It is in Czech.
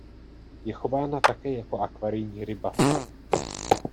Je chována také jako akvarijní ryba.